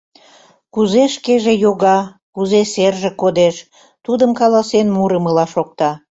Кузе шкеже йога, кузе серже кодеш, тудым каласен мурымыла шокта.